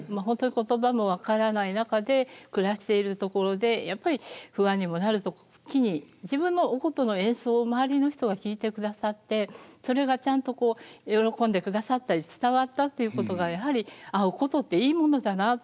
本当に言葉も分からない中で暮らしているところでやっぱり不安にもなる時に自分のお箏の演奏を周りの人が聴いてくださってそれがちゃんと喜んでくださったり伝わったっていうことがやはり「ああお箏っていいものだな。